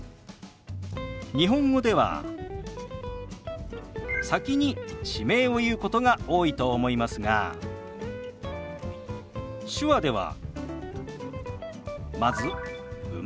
日本語では先に地名を言うことが多いと思いますが手話ではまず「生まれ」。